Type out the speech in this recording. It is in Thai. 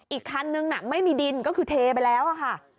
อีกคันนึงไม่มีดินก็คือเทไปแล้วค่ะ